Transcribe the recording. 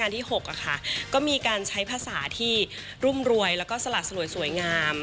ที่๖ก็มีการใช้ภาษาที่รุ่มรวยแล้วก็สละสลวยสวยงาม